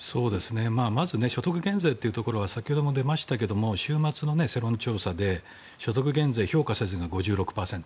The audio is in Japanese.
まず所得減税というところは先ほども出ましたが週末の世論調査で所得減税評価せずが５６％。